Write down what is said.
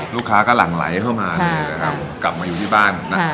ลูกค้าก็หลั่งไล่เข้ามาครับกลับมาอยู่ที่บ้านครับ